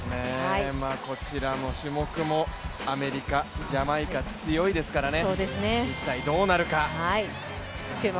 こちらの種目もアメリカ、ジャマイカ強いですからね。